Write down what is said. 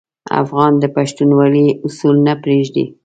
افغان د پښتونولي اصول نه پرېږدي.